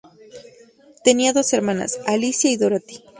Tenía dos hermanas, Alicia y Dorothy.